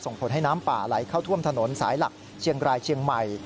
ผลให้น้ำป่าไหลเข้าท่วมถนนสายหลักเชียงรายเชียงใหม่